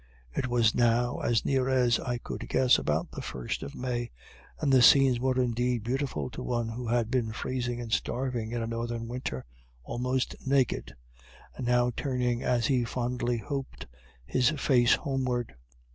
It was now, as near as I could guess, about the first of May, and the scenes were indeed beautiful to one who had been freezing and starving in a northern winter, almost naked and now turning, as he fondly hoped, his face homeward.